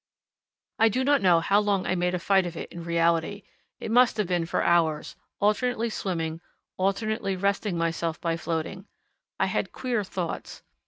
I do not know how long I made a fight of it in reality; it must have been for hours alternately swimming, alternately resting myself by floating. I had queer thoughts.